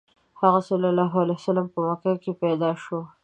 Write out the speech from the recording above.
هغه ﷺ په مکه کې پیدا شو.